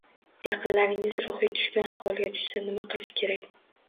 Yaqinlaringiz ruhiy tushkun ahvolga tushsa nima qilish kerak?